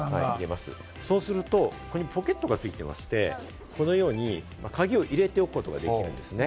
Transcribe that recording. そうすると、ここにポケットが付いていまして、このように鍵を入れておくことができるんですね。